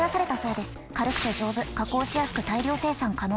軽くて丈夫加工しやすく大量生産可能。